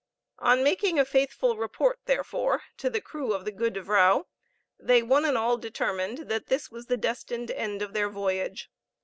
On making a faithful report, therefore, to the crew of the Goede Vrouw, they one and all determined that this was the destined end of their voyage.